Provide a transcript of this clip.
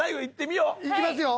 いきますよ。